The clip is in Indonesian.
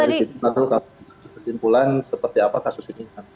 jadi dari situ saya mau tanya kesimpulan seperti apa kasus ini